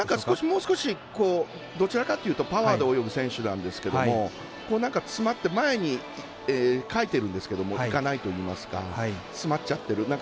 もう少しどちらかというとパワーで泳ぐ選手なんですけどもなんか詰まって前にかいてるんですけどもいかないといいますか詰まっちゃってる。